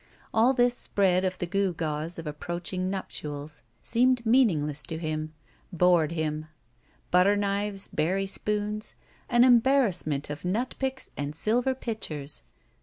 All this spread of the gewgaws of ap proaching nuptials seemed meaningless to him; bored him. Butter knives. Berry spoons. An embarrassment of nut picks and silver pitchers.